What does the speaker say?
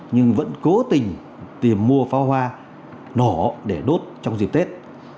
nhưng vẫn cố tình tìm mua pháo hoa nổ để đốt trong dịp tết